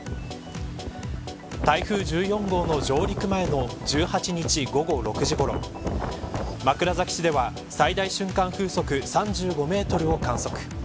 台風１４号の上陸前の１８日、午後６時ごろ枕崎市では最大瞬間風速３５メートルを観測。